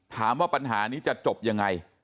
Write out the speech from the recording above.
ถามว่าปัญหานี้จะจบยังไง